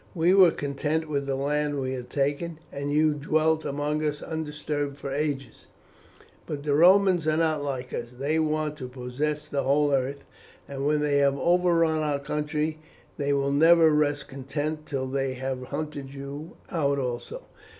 We were content with the land we had taken, and you dwelt among us undisturbed for ages; but the Romans are not like us, they want to possess the whole earth, and when they have overrun our country they will never rest content till they have hunted you out also.